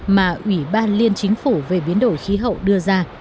mà ủy ban liên chính phủ về biến đổi khí hậu đưa ra